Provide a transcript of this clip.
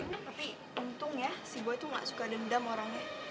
tapi untung ya si gue itu gak suka dendam orangnya